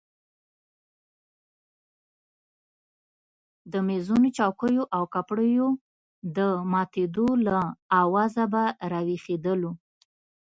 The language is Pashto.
د مېزونو چوکیو او کپړیو د ماتېدو له آوازه به راویښېدلو.